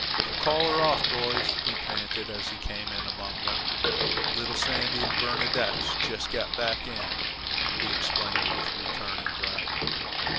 "C call 'er off, boys," he panted, as he came in among them. "Little Sandy and Bernadotte's jes' got in," he explained with returning breath.